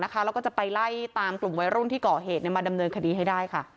แล้วก็จะไปไล่ตามกลุ่มวัยรุ่นที่ก่อเหตุมาดำเนินคดีให้ได้